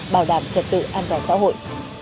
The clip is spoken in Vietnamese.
bảo đảm trật tự an toàn xã hội